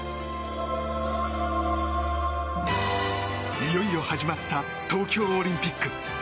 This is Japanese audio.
いよいよ始まった東京オリンピック。